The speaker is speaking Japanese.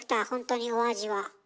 ほんとにお味は。